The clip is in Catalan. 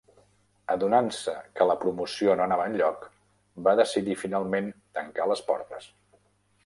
Adonant-se que la promoció no anava enlloc, va decidir finalment tancar les portes.